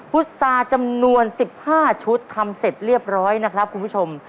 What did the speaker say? พุษาจำนวน๑๕ชุดทำเสร็จเรียบร้อยนะครับคุณผู้ชม